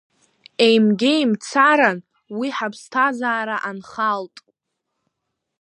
Еимгеимцаран уи ҳаԥсҭазаара анхалт.